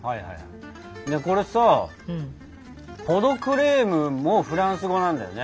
これさポ・ド・クレームもフランス語なんだよね？